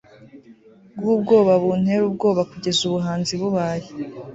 bw'ubwoba buntera ubwoba kugeza ubuhanzi bubaye